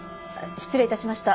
失礼いたしました。